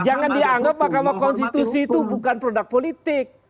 jangan dianggap mahkamah konstitusi itu bukan produk politik